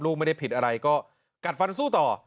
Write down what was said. ไม่ได้ผิดอะไรก็กัดฟันสู้ต่อ